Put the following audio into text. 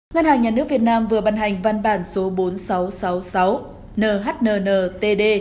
ngân hàng nhà nước việt nam vừa bàn hành văn bản số bốn nghìn sáu trăm sáu mươi sáu nhnntd